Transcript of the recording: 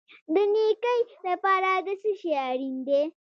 د نیکۍ لپاره څه شی اړین دی؟